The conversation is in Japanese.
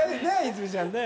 泉ちゃんね。